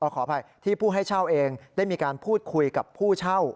ขออภัยที่ผู้ให้เช่าเองได้มีการพูดคุยกับผู้เช่า